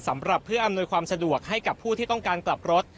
สำหรับเพื่ออำนวยความสะดวกให้กับผู้ที่ต้องการกลับรถ